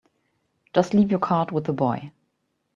Just leave your card with the boy.